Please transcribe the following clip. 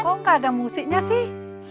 oh gak ada musiknya sih